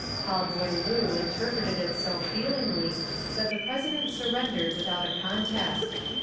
Paul Beaulieu interpreted it so feelingly that the president surrendered without a contest.